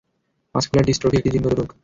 Muscular dystrophy একটি জিনগত রোগ।